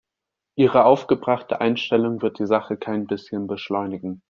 Ihre aufgebrachte Einstellung wird die Sache kein bisschen beschleunigen.